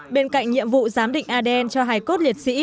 bên cạnh nhiệm vụ giám định adn cho hài cốt liệt sĩ